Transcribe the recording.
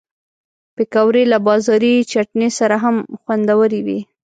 پکورې له بازاري چټني سره هم خوندورې وي